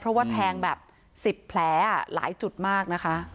เพราะว่าแทงแบบ๑๐แผลหลายจุดมากนะคะ